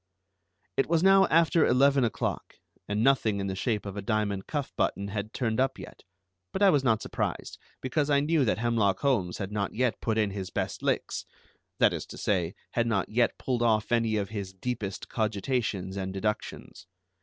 It was now after eleven o'clock, and nothing in the shape of a diamond cuff button had turned up yet, but I was not surprised, because I knew that Hemlock Holmes had not yet put in his best licks, that is to say, had not yet pulled off any of his deepest cogitations and deductions.